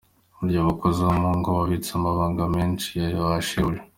Burya abakozi bo mu ngo babitse amabanga menshi ya ba shebuja